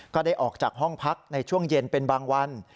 ก็ได้ออกจากห้องพักในช่วงเย็นเป็นบางวัน